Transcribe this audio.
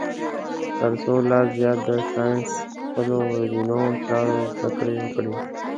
تر څو لا زیات د ساینس خپلو ورځنیو چارو زده کړه وکړي.